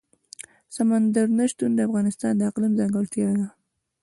سمندر نه شتون د افغانستان د اقلیم ځانګړتیا ده.